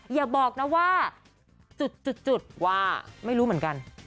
อย่าบอกนะว่าจุดว่าไม่รู้เหมือนกัน